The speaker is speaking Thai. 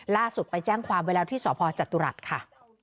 ล่าสุดไปแจ้งความเวลาที่สจัตรุรัสค่ะ